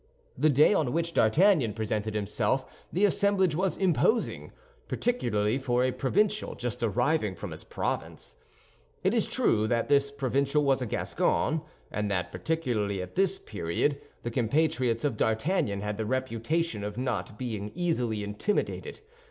The day on which D'Artagnan presented himself the assemblage was imposing, particularly for a provincial just arriving from his province. It is true that this provincial was a Gascon; and that, particularly at this period, the compatriots of D'Artagnan had the reputation of not being easily intimidated.